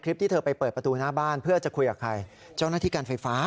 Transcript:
คลิปที่เธอไปเปิดประตูหน้าบ้านเพื่อจะคุยกับใคร